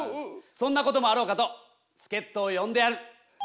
そんなこともあろうかとすけっとを呼んである。